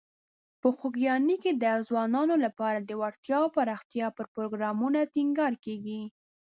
په خوږیاڼي کې د ځوانانو لپاره د وړتیاوو پراختیا پر پروګرامونو ټینګار کیږي.